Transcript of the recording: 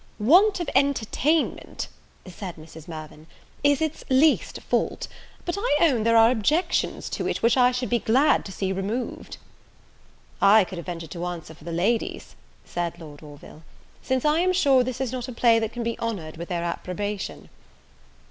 "Want of entertainment," said Mrs. Mirvan, "is its least fault; but I own there are objections to it, which I should be glad to see removed." "I could have ventured to answer for the ladies," said Lord Orville, "since I am sure this is not a play that can be honoured with their approbation."